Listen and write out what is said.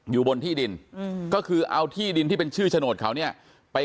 อยู่บนที่ดินก็คือเอาที่ดินที่เป็นชื่อโฉนดเขาเนี่ยไป